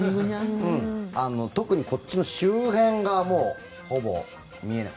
特にこっちの周辺がもうほぼ見えない。